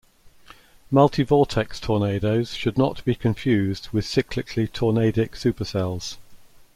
Multivortex tornadoes should not be confused with cyclically tornadic supercells.